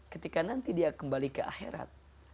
ketika nanti dia kembali ke akhirat